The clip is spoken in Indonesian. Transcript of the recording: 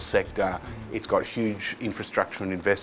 kedudukan perlengkapan infrastruktur yang besar